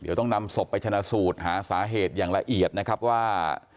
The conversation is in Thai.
เดี๋ยวต้องนำศพไปชนะสูตรหาสาเหตุอย่างละเอียดนะครับว่า